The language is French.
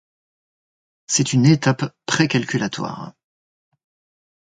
C'est une étape précalculatoire.